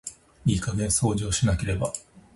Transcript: いい加減掃除をしなければならない。